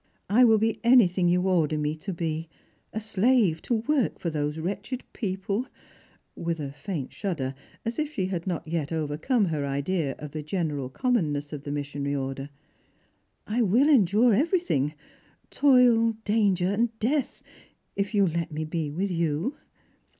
I will be anything you order me to be, a slave to work for those wretched people," with a faint shudder, as if she had not yet overcome her idea of the general commonness of the missionary order. " I will endure everything — toil, danger, death — if you will let me be with you."